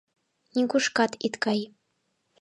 Нигушкат ит кай!